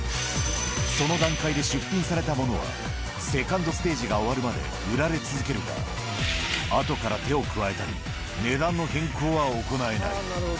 その段階で出品されたものは、セカンドステージが終わるまで売られ続けるから、あとから手を加えたり、値段の変更は行えない。